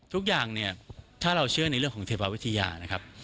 ทุกอย่างถ้าเราเชื่อในเรื่องของเทพวิทยา